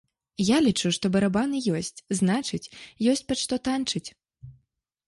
Я лічу, што барабаны ёсць, значыць, ёсць пад што танчыць.